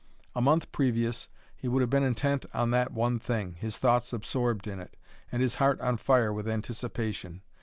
A month previous he would have been intent on that one thing, his thoughts absorbed in it, and his heart on fire with anticipation.